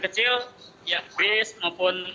kecil ya bis maupun